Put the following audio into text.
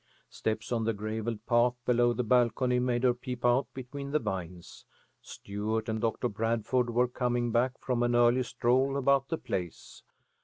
Steps on the gravelled path below the balcony made her peep out between the vines. Stuart and Doctor Bradford were coming back from an early stroll about the place.